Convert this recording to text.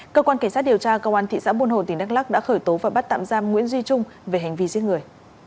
cơ quan cảnh sát điều tra công an thị xã buôn hồ tỉnh đắk lắc đã khởi tố và bắt tạm giam nguyễn duy trung về hành vi giết người